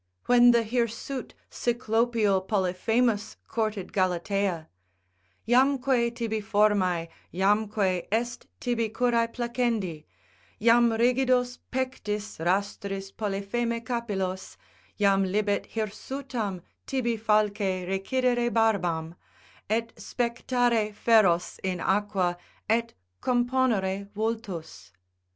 When the hirsute cyclopical Polyphemus courted Galatea; Jamque tibi formae, jamque est tibi cura placendi, Jam rigidos pectis rastris Polypheme capillos, Jam libet hirsutam tibi falce recidere barbam, Et spectare feros in aqua et componere vultus.